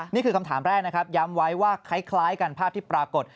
นี่คือคำถามแรกนะครับย้ำไว้ว่าคล้ายกันภาพที่ปรากฏ